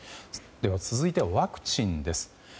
続いてはワクチンです。